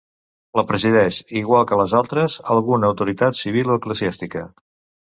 La presideix, igual que les altres, alguna autoritat civil o eclesiàstica.